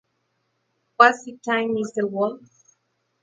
What's the time Mr Wolf.